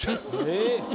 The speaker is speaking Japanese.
えっ！